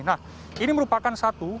nah ini merupakan satu